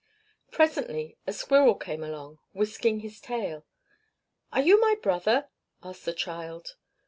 Presently a squirrel came along, whisking his tail. "Are you my brother?" asked the child.